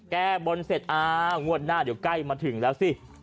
แก้บนเสร็จอ้าวงวดหน้าเดี๋ยวใกล้มาถึงแล้วสิ